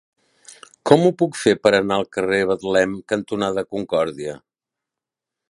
Com ho puc fer per anar al carrer Betlem cantonada Concòrdia?